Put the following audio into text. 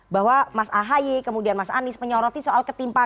bahwa mas ahy kemudian mas anies menyoroti soal ketimpangan